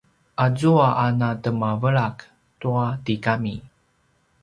azua a natemavelak tua tigami